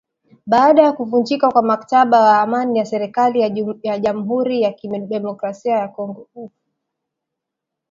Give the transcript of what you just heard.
baada ya kuvunjika kwa mkataba wa amani na serikali ya jamhuri ya kidemokrasia ya Kongo